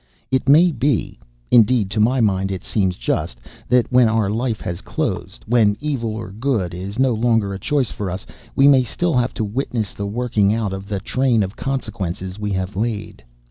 It may be indeed to my mind it seems just that, when our life has closed, when evil or good is no longer a choice for us, we may still have to witness the working out of the train of consequences we have laid.